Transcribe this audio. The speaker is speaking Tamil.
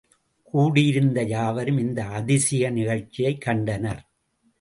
கூடியிருந்த யாவரும் இந்த அதிசய நிகழ்ச்சியைக் கண்டனர்.